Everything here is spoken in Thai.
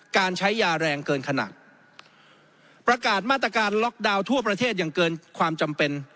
การใช้ยาแรงเกินขนาดประกาศมาตรการล็อกดาวน์ทั่วประเทศอย่างเกินความจำเป็น